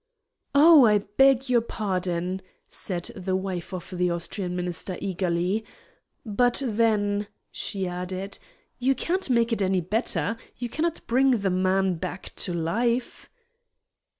"Oh, I beg your pardon!" said the wife of the Austrian Minister, eagerly. "But then," she added, "you can't make it any better. You cannot bring the man back to life."